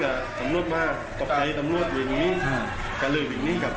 จริงมากก็ใส่สำรวจอยู่อย่างนี้